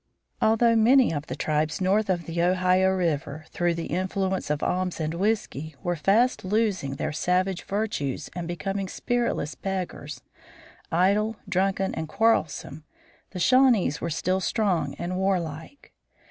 Although many of the tribes north of the Ohio River, through the influence of alms and whisky, were fast losing their savage virtues and becoming spiritless beggars, idle, drunken, quarrelsome, the Shawnees were still strong and warlike.